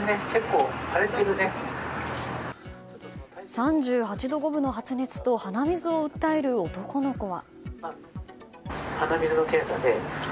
３８度５分の発熱と鼻水を訴える男の子は。